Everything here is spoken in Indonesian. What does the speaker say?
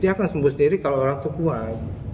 dia akan sembuh sendiri kalau orang tua